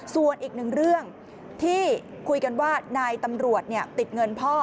ส่วนอีกหนึ่งเรื่องที่คุยกันว่านายตำรวจติดเงินพ่อ